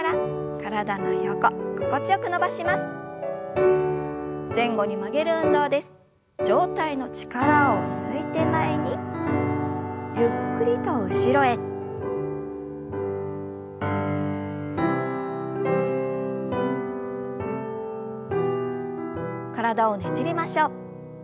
体をねじりましょう。